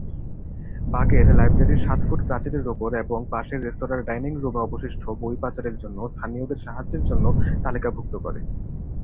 বাকের লাইব্রেরির সাত ফুট প্রাচীরের উপর এবং পাশের রেস্তোরাঁর ডাইনিং রুমে অবশিষ্ট বই পাচারের জন্য স্থানীয়দের সাহায্যের জন্য তালিকাভুক্ত করে।